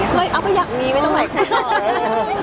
เห้ยก็อยากมีไม่ต้องหลายคนเนอะ